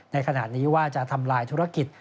ในขณะนี้ว่าจะทำลายธุรกิจ